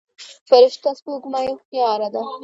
فرشته سپوږمۍ هوښياره ده.